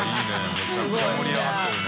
めちゃくちゃ盛り上がってるね。